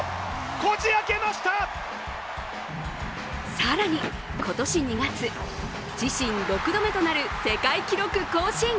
更に今年２月、自身６度目となる世界記録更新。